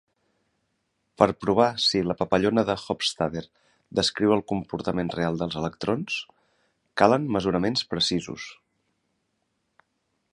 Per provar si la papallona de Hofstadter descriu el comportament real dels electrons, calen mesuraments precisos.